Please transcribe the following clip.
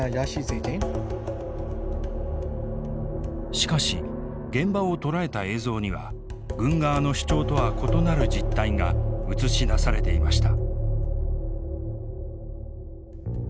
しかし現場を捉えた映像には軍側の主張とは異なる実態が映し出されていました。